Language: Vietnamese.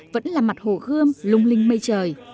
vẫn là mặt hổ gươm lung linh mây trời